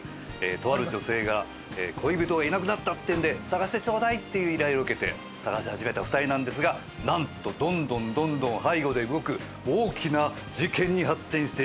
とある女性が恋人がいなくなったっていうんで捜してちょうだいっていう依頼を受けて捜し始めた２人なんですがなんとどんどんどんどん背後で動く大きな事件に発展していきます。